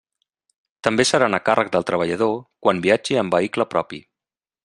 També seran a càrrec del treballador quan viatgi en vehicle propi.